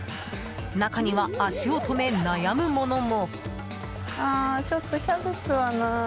中には足を止め、悩むものも。